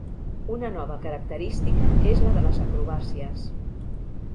Una nova característica és la de les acrobàcies.